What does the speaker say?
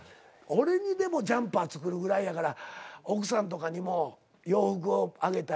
俺にでもジャンパー作るぐらいやから奥さんとかにも洋服をあげたり。